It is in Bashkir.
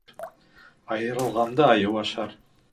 Айырылғанды айыу ашар